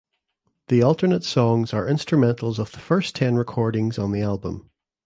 The alternate songs are instrumentals of the first ten recordings on the album.